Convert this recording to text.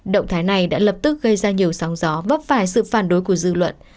động thái này đã lập tức gây ra nhiều sóng gió vấp phải sự phản đối của dư luận